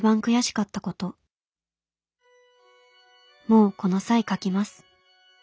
「もうこの際書きます。